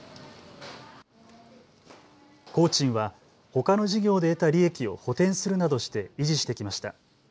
工賃はほかの事業で得た利益を補填するなどして維持してきました。